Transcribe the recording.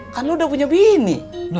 kan lo udah punya bini